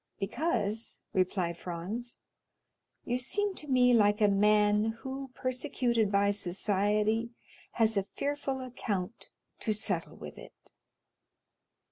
"Because," replied Franz, "you seem to me like a man who, persecuted by society, has a fearful account to settle with it."